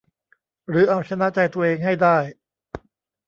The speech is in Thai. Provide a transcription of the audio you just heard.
หรือเอาชนะใจตัวเองให้ได้